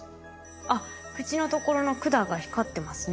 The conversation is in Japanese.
あっ口のところの管が光ってますね。